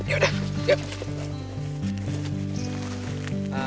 ya udah yuk